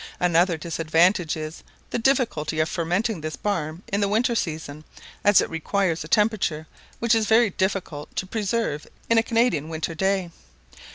Another disadvantage is, the difficulty of fermenting this barm in the winter season, as it requires a temperature which is very difficult to preserve in a Canadian winter day.